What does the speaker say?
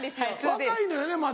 若いのよねまだ。